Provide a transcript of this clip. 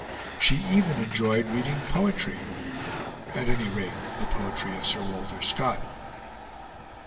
She even enjoyed reading poetry at any rate, the poetry of Sir Walter Scott.